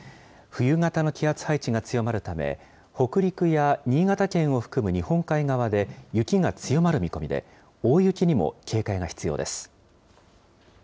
冬型の気圧配置が強まるため、北陸や新潟県を含む日本海側で雪が強まる見込みで、大雪にも警戒が必要です。